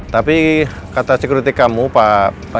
tapi kata security kamu pak